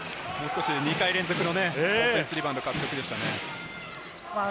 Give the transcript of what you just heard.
２回連続のオフェンスリバウンド獲得でしたね。